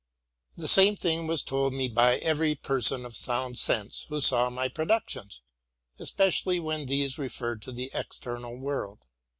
The same thing was told me by every person of sound sense who saw my productions, especially when these referred to the external world.